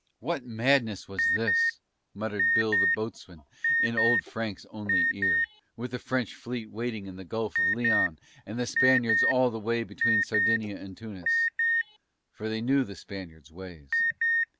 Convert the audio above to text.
What madness was this, muttered Bill the Boatswain in Old Frank's only ear, with the French fleet waiting in the Gulf of Lyons and the Spaniards all the way between Sardinia and Tunis: for they knew the Spaniards' ways.